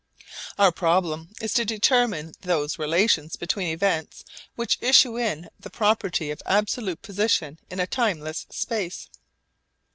Our problem is to determine those relations between events which issue in the property of absolute position in a timeless space.